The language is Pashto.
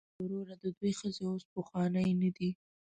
ویل یې وروره د دوی ښځې اوس پخوانۍ نه دي.